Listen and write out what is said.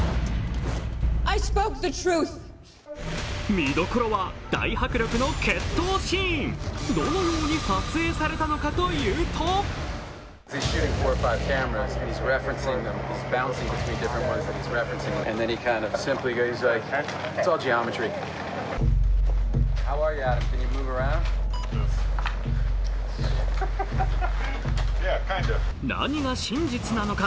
見どころは、大迫力の決闘シーンどのように撮影されたのかというと何が真実なのか。